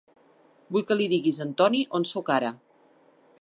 Vull que li diguis a en Toni on soc ara.